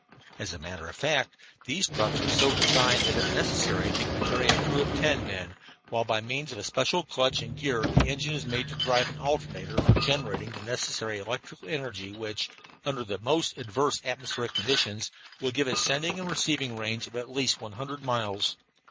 As a matter of fact, these trucks are so designed that, if it is necessary, they can carry a crew of ten men, while by means of a special clutch and gear the engine is made to drive an alternator for generating the necessary electrical energy which, under the most adverse atmospheric conditions, will give a sending and receiving range of at least one hundred miles.